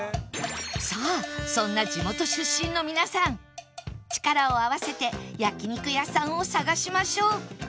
さあそんな地元出身の皆さん力を合わせて焼肉屋さんを探しましょう！